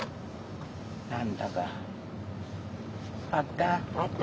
何だかあった？